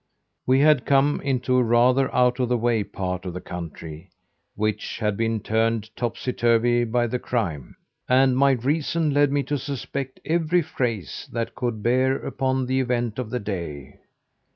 We had come into a rather out of the way part of the country which had been turned topsy turvey by a crime, and my reason led me to suspect every phrase that could bear upon the event of the day.